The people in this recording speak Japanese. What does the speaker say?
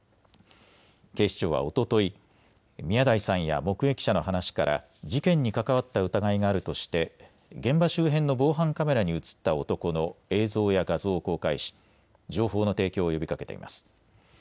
警視庁はおととい、宮台さんや目撃者の話から事件に関わった疑いがあるとして現場周辺の防犯カメラに写った男の映像や画像を公開し情報の提供を呼びかけています。